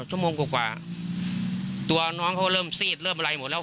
ชั่วโมงกว่าตัวน้องเขาเริ่มซีดเริ่มอะไรหมดแล้ว